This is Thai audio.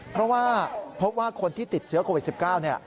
เพราะว่าพบว่าคนที่ติดเชื้อโควิด๑๙